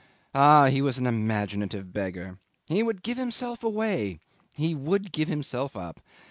Ah, he was an imaginative beggar! He would give himself away; he would give himself up.